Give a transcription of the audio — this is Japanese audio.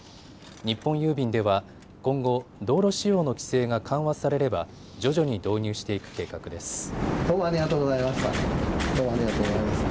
日本郵便では今後、道路使用の規制が緩和されれば徐々に導入していく計画です。